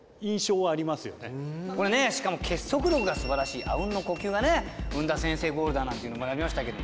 これねしかも結束力がすばらしいあうんの呼吸が生んだ先制ゴールだなんていうのもありましたけど。